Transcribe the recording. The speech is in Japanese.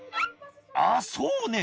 「あっそうね